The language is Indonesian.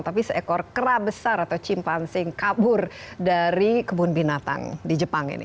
tapi seekor kera besar atau cimpansing kabur dari kebun binatang di jepang ini